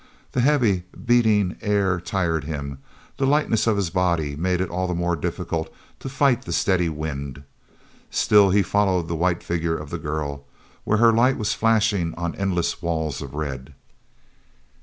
The heavy, beating air tired him; the lightness of his body made it all the more difficult to fight the steady wind. Still he followed the white figure of the girl where her light was flashing on endless walls of red.